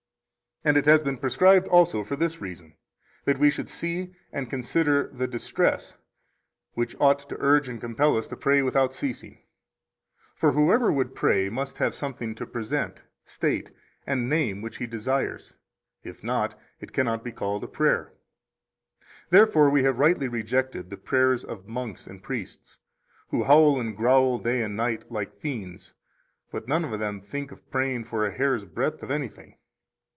24 And it has been prescribed also for this reason that we should see and consider the distress which ought to urge and compel us to pray without ceasing. For whoever would pray must have something to present, state, and name which he desires; if not, it cannot be called a prayer. 25 Therefore we have rightly rejected the prayers of monks and priests, who howl and growl day and night like fiends; but none of them think of praying for a hair's breadth of anything.